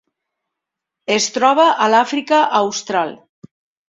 Es troba a l'Àfrica Austral.